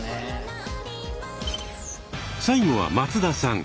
最後は松田さん。